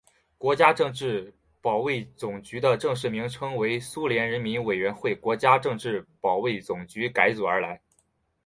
国家政治保卫总局的正式名称为苏联人民委员会国家政治保卫总局改组而来。